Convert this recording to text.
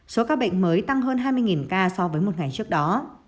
số ca bệnh mới tăng hơn hai mươi ca so với một ngày trước đó